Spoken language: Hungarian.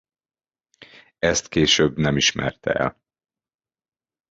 Ezt később nem ismerte el.